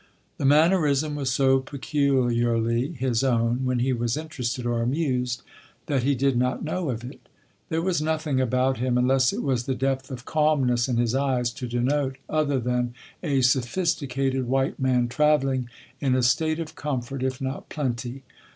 The mannerism was so peculiarly his own when he was interested or amused, that he did not know of it. There was nothing about him (unless it was the depth of calmness in his eyes) to denote other than a sophisticated white man travelling in a state of comfort if not plenty.